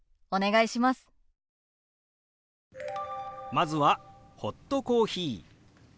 まずは「ホットコーヒー」。